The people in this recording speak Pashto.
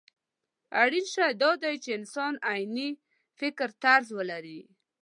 اړين شی دا دی چې انسان عيني فکرطرز ولري.